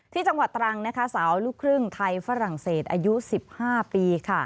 จังหวัดตรังนะคะสาวลูกครึ่งไทยฝรั่งเศสอายุ๑๕ปี